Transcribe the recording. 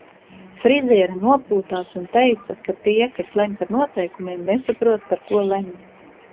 Friziere nopūtās un teica, ka tie, kas lemj par noteikumiem, nesaprot, par ko lemj.